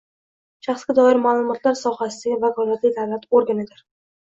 shaxsga doir ma’lumotlar sohasidagi vakolatli davlat organidir